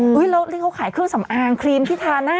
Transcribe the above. หรือว่าทำไมเรื่องเขาขายเครื่องสำอางครีมที่ทาหน้า